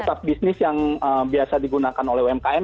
staf bisnis yang biasa digunakan oleh umkm